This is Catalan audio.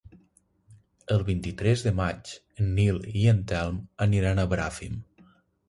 El vint-i-tres de maig en Nil i en Telm aniran a Bràfim.